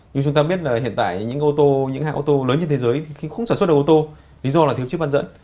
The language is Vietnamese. như chúng ta biết là hiện tại những hãng ô tô lớn trên thế giới không sản xuất được ô tô lý do là thiếu chiếc văn dẫn